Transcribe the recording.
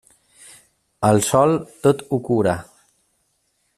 El sol, tot ho cura.